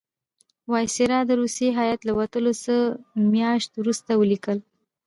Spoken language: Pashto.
وایسرا د روسی هیات له وتلو څه میاشت وروسته ولیکل.